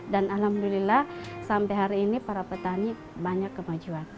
dan alhamdulillah sampai hari ini para petani banyak kemajuan